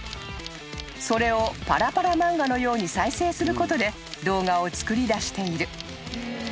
［それをパラパラ漫画のように再生することで動画を作り出している］